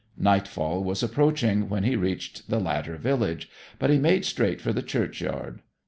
Nightfall was approaching when he reached the latter village; but he made straight for the churchyard.